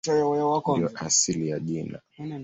Ndiyo asili ya jina.